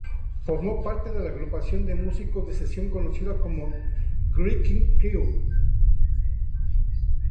Formó parte de la agrupación de músicos de sesión conocida como Wrecking Crew.